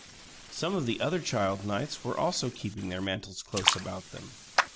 Some of the other child knights were also keeping their mantles close about them.